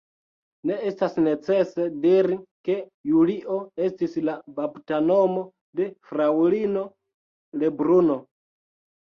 Ne estas necese diri, ke Julio estis la baptanomo de Fraŭlino Lebruno.